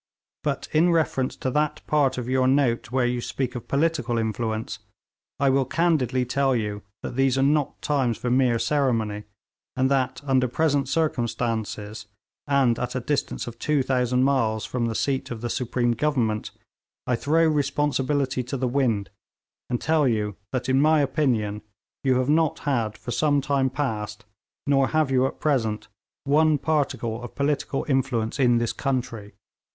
But in reference to that part of your note where you speak of political influence, I will candidly tell you that these are not times for mere ceremony, and that under present circumstances, and at a distance of 2000 miles from the seat of the supreme Government, I throw responsibility to the wind, and tell you that in my opinion you have not had for some time past, nor have you at present, one particle of political influence in this country.'